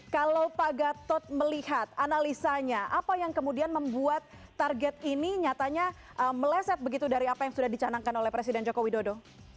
kalau pak gatot melihat analisanya apa yang kemudian membuat target ini nyatanya meleset begitu dari apa yang sudah dicanangkan oleh presiden joko widodo